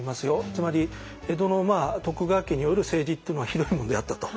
つまり江戸の徳川家による政治っていうのはひどいもんであったと。